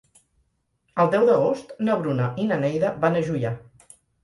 El deu d'agost na Bruna i na Neida van a Juià.